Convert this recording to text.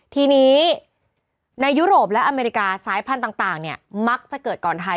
ทีนี้ในยุโรปและอเมริกาสายพันธุ์ต่างมักจะเกิดก่อนไทย